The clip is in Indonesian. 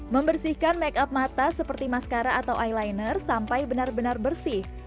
membersihkan make up mata seperti mascara atau eyeliner sampai benar benar bersih